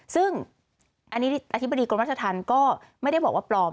ซึ่งอันนี้อธิบดีกรมราชธรรมก็ไม่ได้บอกว่าปลอม